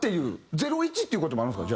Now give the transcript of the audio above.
ゼロイチっていう事もあるんですか？